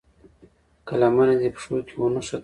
که لمنه دې پښو کې ونښته.